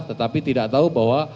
tetapi tidak tahu bahwa